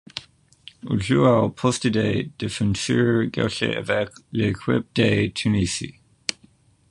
Il joue au poste de défenseur gauche avec l'équipe de Tunisie.